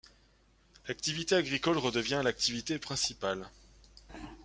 L'activité agricole redevient l'activité principale.